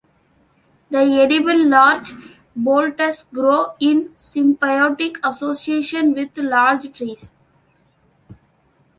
The edible larch boletes grow in symbiotic association with larch trees.